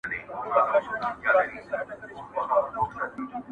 جادوګر په شپه کي وتښتېد له ښاره!!